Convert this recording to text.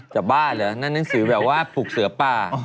จะบ้าเหรอแล้วนั่นหนังสือแบบกากปลูกเสือป้า